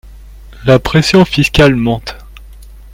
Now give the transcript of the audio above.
La pression fiscale monte.